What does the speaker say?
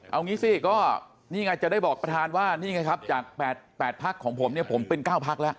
เอางี้สิก็นี่ไงจะได้บอกประธานว่านี่ไงครับจาก๘พักของผมเนี่ยผมเป็น๙พักแล้ว